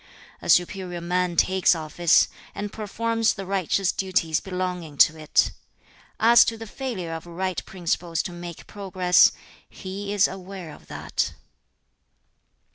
A superior man takes office, and performs the righteous duties belonging to it. As to the failure of right principles to make progress, he is aware of that.'